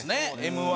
Ｍ−１。